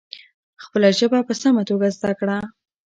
خپله ژبه په سمه توګه زده کړه.